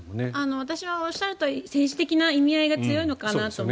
私はおっしゃるとおり政治的な意味合いが強いのかなと。